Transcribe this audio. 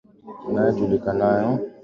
unaojulikanayo kwa jina la Kimasai engidara